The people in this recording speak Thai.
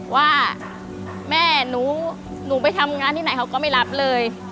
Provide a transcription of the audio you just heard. ว่าแม่หนูไปทำงานที่ไหนเขาก็ไม่รับเลย